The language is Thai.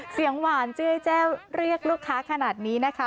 เสียงหวานเจ้ยแจ้วเรียกลูกค้าขนาดนี้นะคะ